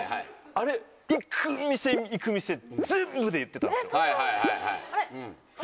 あれ行く店行く店全部で言ってたんですよ。